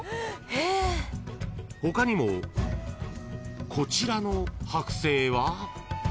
［他にもこちらの剥製は］